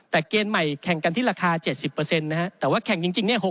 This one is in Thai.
แต่เกณฑ์ใหม่แข่งกันที่ราคา๗๐นะฮะแต่ว่าแข่งจริงเนี่ย